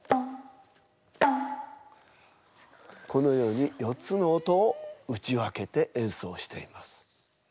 このように４つの音を打ち分けて演奏しています。